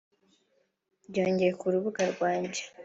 byongeye ku rubuga rwanjye